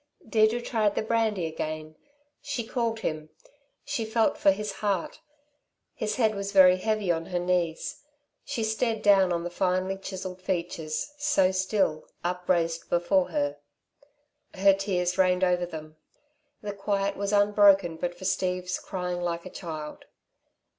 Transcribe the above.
Deirdre tried the brandy again. She called him. She felt for his heart. His head was very heavy on her knees. She stared down on the finely chiselled features, so still, upraised before her. Her tears rained over them. The quiet was unbroken but for Steve's crying like a child.